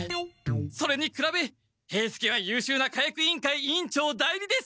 それにくらべ兵助はゆうしゅうな火薬委員会委員長代理です！